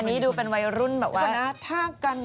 อันนี้ดูเป็นวายรุ่นแบบว่า